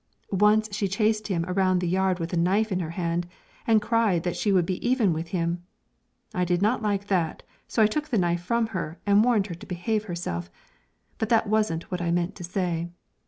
Once she chased him around the yard with a knife in her hand, and cried that she would be even with him. I did not like that, so I took the knife from her and warned her to behave herself, but that wasn't what I meant to say.